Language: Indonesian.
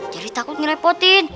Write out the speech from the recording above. jadi takut ngerepotin